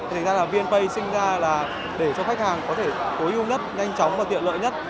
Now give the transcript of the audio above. thì thành ra là vnpay sinh ra là để cho khách hàng có thể cố yêu nhất nhanh chóng và tiện lợi nhất